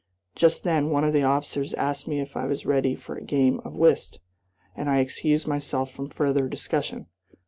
Just then one of the officers asked me if I was ready for a game of whist, and I excused myself from further discussion.